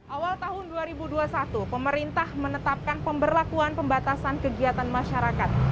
awal tahun dua ribu dua puluh satu pemerintah menetapkan pemberlakuan pembatasan kegiatan masyarakat